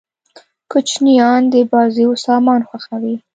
کوچنيان د بازيو سامان خوښيي.